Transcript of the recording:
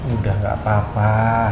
udah gak apa apa